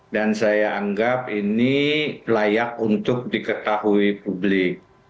dan saya anggap ini layak untuk diketahui publik